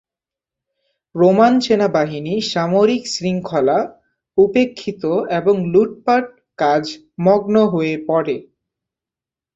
Roman সেনাবাহিনী সামরিক শৃঙ্খলা উপেক্ষিত এবং লুটপাট কাজ মগ্ন হয়ে পরে।